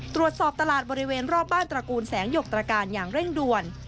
ตรวจสอบตลาดบริเวณรอบบ้านตระกูลแสงหยกตรการอย่างเร่งด่วน